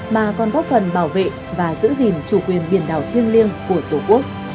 mà còn góp phần bảo vệ và giữ gìn chủ quyền biển đảo thiêng liêng của tổ quốc